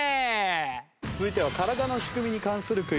続いては体の仕組みに関するクイズです。